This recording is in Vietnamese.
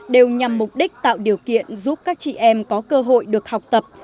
đều nhằm mục đích tạo điều kiện giúp các chị em có cơ hội được học tập